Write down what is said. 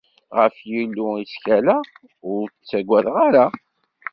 Ɣef Yillu i ttkaleɣ, ur ttaggadeɣ ara.